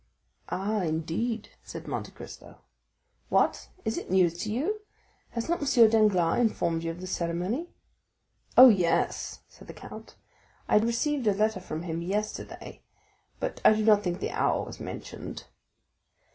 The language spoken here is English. "Ah, indeed?" said Monte Cristo. "What; is it news to you? Has not M. Danglars informed you of the ceremony?" "Oh, yes," said the count; "I received a letter from him yesterday, but I do not think the hour was mentioned."